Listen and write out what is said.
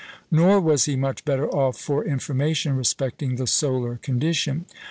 Nor was he much better off for information respecting the solar condition.